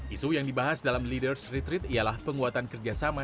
isu yang dibahas dalam leaders retreat ialah penguatan kerjasama